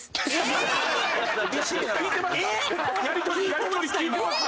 やり取り聞いてました？